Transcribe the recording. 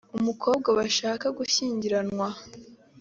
umukobwa bashaka gushyingiranwa